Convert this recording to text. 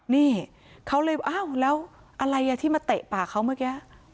นี่เขาเลยอ้าวแล้วอะไรที่มาเตะปากเขาเมื่อกี้